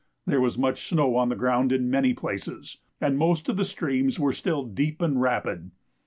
There was much snow on the ground in many places, and most of the streams were still deep and rapid.